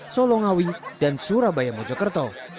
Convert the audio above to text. solongawi dan surabaya mojokerto